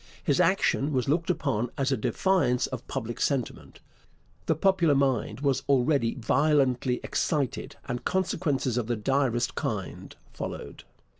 His action was looked upon as a defiance of public sentiment; the popular mind was already violently excited, and consequences of the direst kind followed.